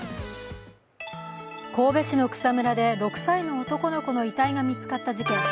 神戸市の草むらで、６歳の男の子の遺体が見つかった事件。